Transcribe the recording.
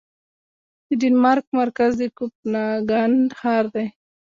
د ډنمارک مرکز د کوپنهاګن ښار دی